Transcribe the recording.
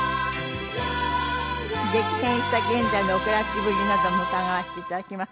激変した現在のお暮らしぶりなども伺わせていただきます。